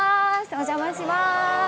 お邪魔します。